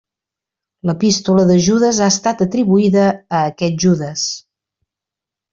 L'Epístola de Judes ha estat atribuïda a aquest Judes.